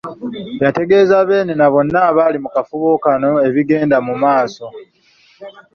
Yategeeza Bbeene na bonna abaali mu kafubo kano ebigenda mu maaso.